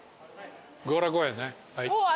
強羅公園ね。